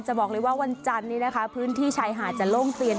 บอกเลยว่าวันจันทร์นี้นะคะพื้นที่ชายหาดจะโล่งเตียน